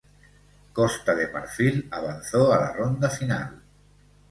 Costa de Marfil avanzó a la ronda final.